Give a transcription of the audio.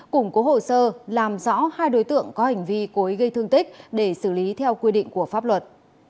cũng có hồ sơ làm rõ hai đối tượng có hành vi cối gây thương tích để xử lý theo quy định của pháp luật